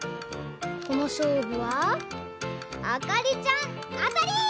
このしょうぶはあかりちゃんあたり！